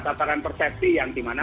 tataran persepsi yang dimana